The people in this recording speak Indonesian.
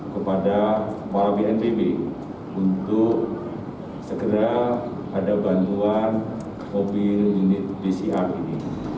kepada para bnpb untuk segera ada bantuan mobil unit pcr ini